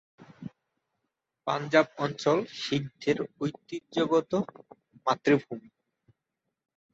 পাঞ্জাব অঞ্চল শিখদের ঐতিহ্যগত মাতৃভূমি।